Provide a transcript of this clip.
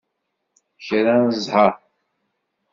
Kra n zzher!